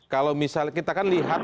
kalau misalnya kita kan lihat